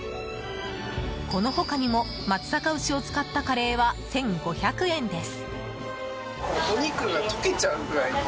この他にも、松阪牛を使ったカレーは１５００円です。